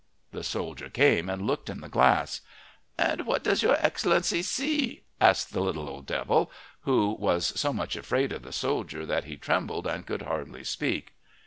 The soldier came and looked in the glass. "And what does your Excellency see?" asked the little old devil, who was so much afraid of the soldier that he trembled and could hardly speak.